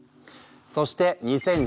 そして２０１０年。